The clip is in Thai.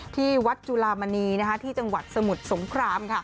ที่วัดจุลามณีที่จังหวัดสมุทรสงคราม